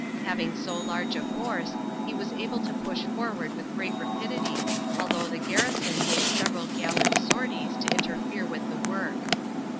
Having so large a force, he was able to push forward with great rapidity, although the garrison made several gallant sorties to interfere with the work.